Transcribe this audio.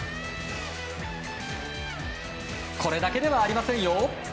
これだけではありませんよ。